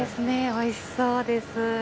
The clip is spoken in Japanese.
おいしそうです。